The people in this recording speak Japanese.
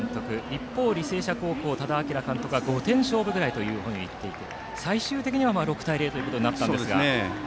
一方、履正社高校の多田晃監督は５点勝負ぐらいといっていて、最終的には６対０となりましたが。